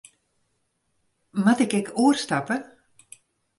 Moat ik ek oerstappe?